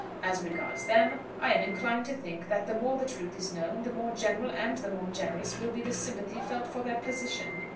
As regards them, I am inclined to think that the more the truth is known, the more general and the more generous will be the sympathy felt for their position.